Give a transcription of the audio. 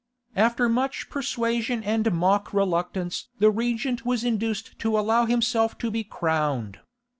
After much persuasion and mock reluctance the regent was induced to allow himself to be crowned.